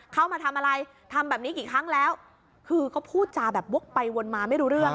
เข้ามาทำอะไรทำแบบนี้กี่ครั้งแล้วคือก็พูดจาแบบวกไปวนมาไม่รู้เรื่อง